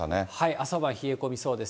朝晩冷え込みそうです。